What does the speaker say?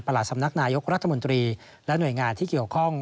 สำนักนายกรัฐมนตรีและหน่วยงานที่เกี่ยวข้อง